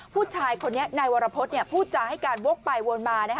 ผู้ชายคนนี้นายวรพฤษพูดจาให้การวกไปวนมา